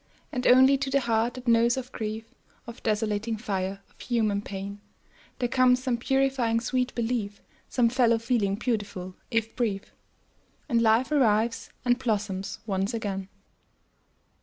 And only to the heart that knows of grief, Of desolating fire, of human pain, There comes some purifying sweet belief, Some fellow feeling beautiful, if brief. And life revives, and blossoms once again.